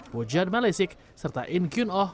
bojan malesik serta inkyun oh